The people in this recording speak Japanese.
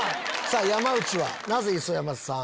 山内はなぜ磯山さん？